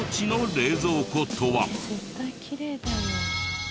絶対きれいだよ。